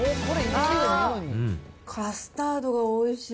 ああ、カスタードがおいしい。